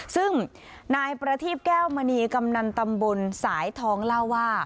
ซึ่งนายประทีบแก้วมณีกำนันตำบลสายทองเล่าว่า